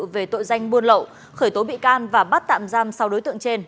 về tội danh buôn lậu khởi tố bị can và bắt tạm giam sáu đối tượng trên